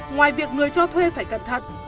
ngoài việc người cho thuê phải cẩn thận